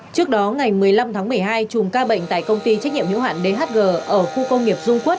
trước đó ngày một mươi năm tháng một mươi hai chùm ca bệnh tại công ty trách nhiệm hiệu hạn dhg ở khu công nghiệp dung quất